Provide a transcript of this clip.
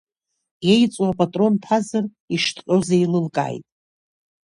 Еиҵоу апатрон ҭазар, ишҭҟьоз еилылкааит.